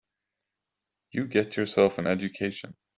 You get yourself an education.